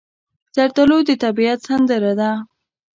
زردالو د طبیعت سندره ده.